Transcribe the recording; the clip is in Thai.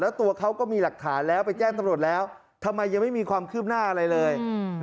แล้วตัวเขาก็มีหลักฐานแล้วไปแจ้งตำรวจแล้วทำไมยังไม่มีความคืบหน้าอะไรเลย